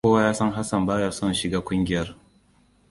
Kowa ya san Hassan baya son shiga ƙungiyar.